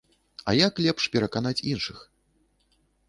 А як лепш пераканаць іншых?